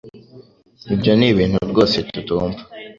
ibyo nibintu rwose tutumva